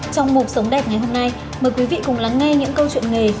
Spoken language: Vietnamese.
trong mục sống đẹp ngày hôm nay mời quý vị cùng lắng nghe những câu chuyện nghề